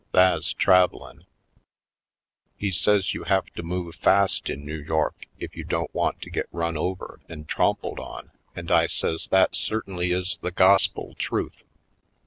Tha's travelin'!" He says you have to move fast in New York if you don't want to gtt run over and trompled on and I says that certainly is the Gospel truth.